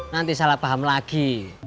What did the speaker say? nanti salah paham lagi